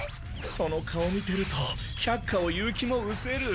その顔見てると却下を言う気もうせる。